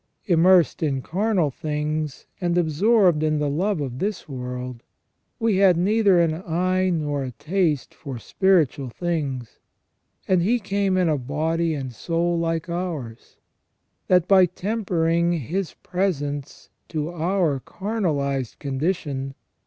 Im mersed in carnal things, and absorbed in the love of this world, we had neither an eye nor a taste for spiritual things; and He came in a body and soul like ours, that by tempering His pre sence to our carnalized condition.